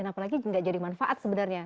dan apalagi juga gak jadi manfaat sebenarnya